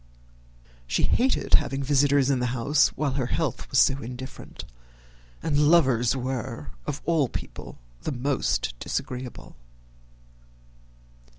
She hated having visitors in the house while her health was so indifferent, and lovers were of all people the most disagreeable.